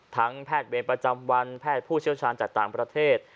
แพทย์เวรประจำวันแพทย์ผู้เชี่ยวชาญจากต่างประเทศ